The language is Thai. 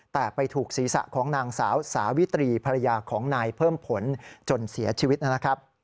แต่ไปถูกศีรษะของนางสาวสาวิตรีภรรยาของนายเพิ่มผลจนเสียชีวิตนะครับ